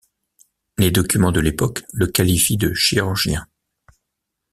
Les documents de l'époque le qualifient de chirurgien.